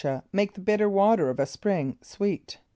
a] make the bitter water of a spring sweet?